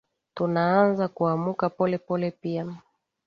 tunaanza kuamuka pole pole pia